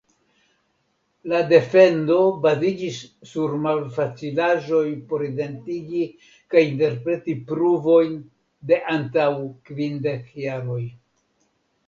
La defendo baziĝis sur malfacilaĵoj por identigi kaj interpreti pruvojn de antaŭ kvindek jaroj.